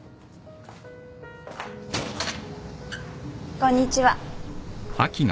・こんにちは。